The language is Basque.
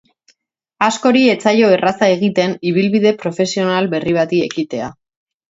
Askori ez zaio erraza egiten ibilbide profesional berri bati ekitea.